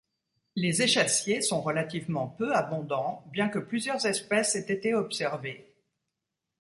Les échassiers sont relativement peu abondants, bien que plusieurs espèces aient été observées.